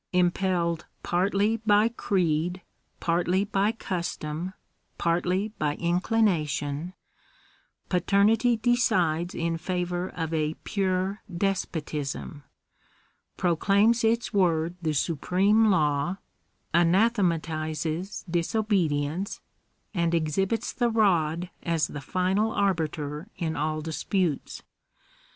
Impelled partly by creed, partly by cus tom, partly by inclination, paternity decides in favour of a pure despotism, proclaims its word the supreme law, anathematizes disobedience, and exhibits the rod as the final arbiter in all disputes.